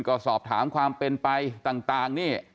ก็สอบถามความเป็นไปต่างนี่